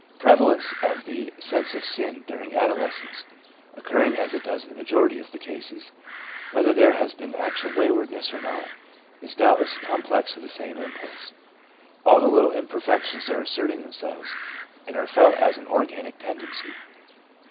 The prevalence of the * sense of sin ' during adolescence, occurring as it does in the majority of the cases, whether there has been actual waywardness or not, is doubtless a complex of the same impulse. All the little imperfections are asserting themselves, and are felt as an organic tend ency.